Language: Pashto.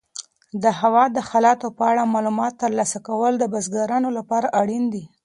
د هوا د حالاتو په اړه معلومات ترلاسه کول د بزګرانو لپاره اړین دي.